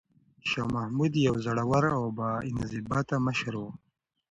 شاه محمود یو زړور او با انضباطه مشر و.